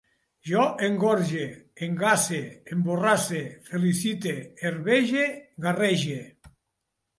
Jo engorge, engasse, emborrasse, felicite, herbege, garrege